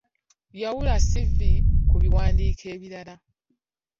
Yawula 'ssivvi' ku biwandiiko ebirala.